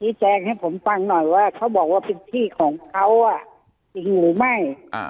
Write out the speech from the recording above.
แจ้งให้ผมฟังหน่อยว่าเขาบอกว่าเป็นที่ของเขาจริงหรือไม่